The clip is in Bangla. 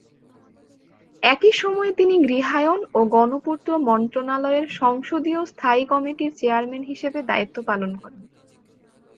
একই সময়ে তিনি গৃহায়ন ও গণপূর্ত মন্ত্রণালয়ের সংসদীয় স্থায়ী কমিটির চেয়ারম্যান হিসেবে দায়িত্ব পালন করেন।